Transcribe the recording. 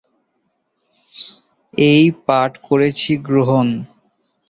এই পাঠ করেছি গ্রহণ।